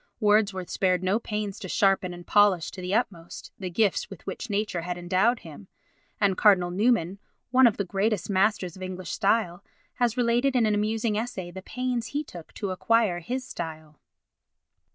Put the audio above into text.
Wordsworth spared no pains to sharpen and polish to the utmost the gifts with which nature had endowed him; and Cardinal Newman, one of the greatest masters of English style, has related in an amusing essay the pains he took to acquire his style."